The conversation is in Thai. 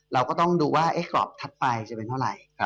เราก็ต้องดูว่ากรอบถัดไปจะเป็นเท่าไหร่